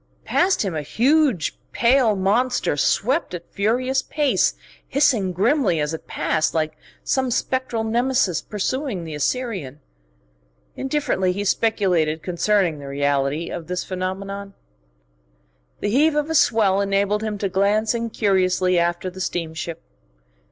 Past him a huge pale monster swept at furious pace, hissing grimly as it passed, like some spectral Nemesis pursuing the Assyrian. Indifferently he speculated concerning the reality of this phenomenon. The heave of a swell enabled him to glance incuriously after the steamship.